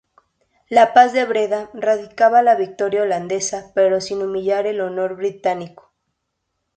La Paz de Breda ratificaba la victoria holandesa pero sin humillar el honor británico.